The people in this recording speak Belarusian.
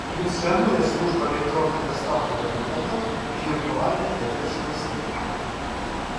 Функцыянуе служба электроннай дастаўкі дакументаў і віртуальная даведачная служба.